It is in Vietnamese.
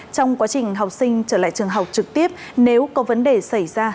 trong quá trình học sinh trở lại trường học trực tiếp nếu có vấn đề xảy ra